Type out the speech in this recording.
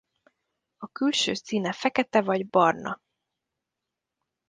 A külső színe fekete vagy barna.